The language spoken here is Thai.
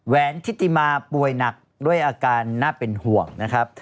ทิติมาป่วยหนักด้วยอาการน่าเป็นห่วงนะครับ